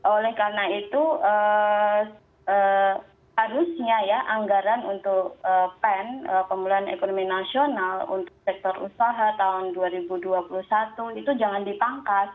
oleh karena itu harusnya ya anggaran untuk pen pemuluhan ekonomi nasional untuk sektor usaha tahun dua ribu dua puluh satu itu jangan dipangkas